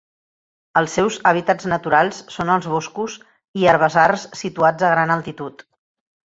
Els seus hàbitats naturals són els boscos i herbassars situats a gran altitud.